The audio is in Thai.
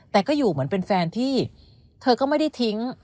แต่ก็อยู่เหมือนเป็นแฟนที่เธอก็ไม่ได้ทิ้ง